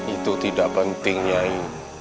itu tidak penting nyai